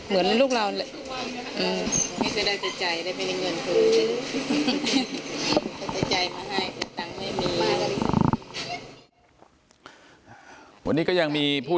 แม่น้องชมพู่แม่น้องชมพู่